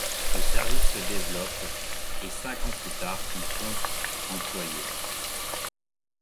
Le service se développe et, cinq ans plus tard, il compte employés.